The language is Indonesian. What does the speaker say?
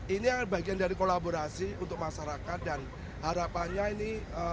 ini bagian dari kolaborasi untuk masyarakat dan harapannya ini